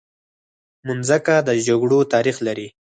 مځکه د جګړو تاریخ لري.